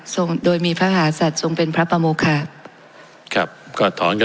ท่านประธาน